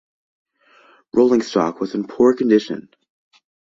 Rolling stock was in poor condition.